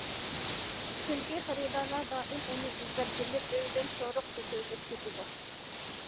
چۈنكى خېرىدارلار دائىم ئۇنى ئىزدەپ كېلىپ، ئۆيىدىن چورۇق سېتىۋېلىپ كېتىدۇ.